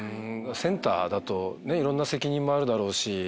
センターだといろんな責任もあるだろうし。